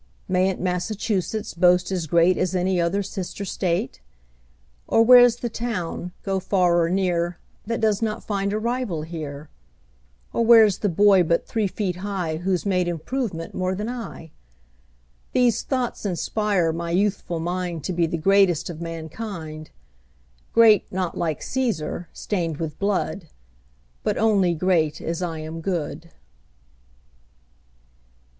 Mayn't Massachusetts boast as great As any other sister state? Or where's the town, go far or near, That does not find a rival here? Or where's the boy but three feet high Who's made improvement more than I? These thoughts inspire my youthful mind To be the greatest of mankind: Great, not like Cæsar, stained with blood, But only great as I am good.